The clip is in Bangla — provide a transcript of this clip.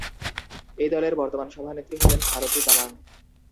এই দলের বর্তমান সভানেত্রী হলেন ভারতী তামাং।